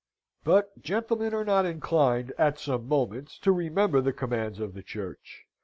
But gentlemen are not inclined at some moments to remember the commands of the Church.